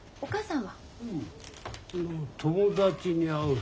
ん？